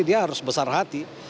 dia harus besar hati